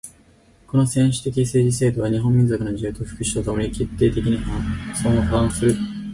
この専制的政治制度は日本民族の自由と福祉とに決定的に相反する。